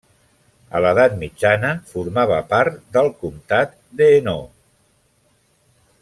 A l'edat mitjana formava part del comtat d'Hainaut.